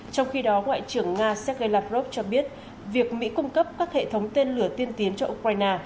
trong khi đó ngoại trưởng nga sergei lavrov cho biết việc mỹ cung cấp các hệ thống tên lửa tiên tiến cho ukraine